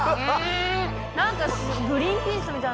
何かグリンピースみたいなのが。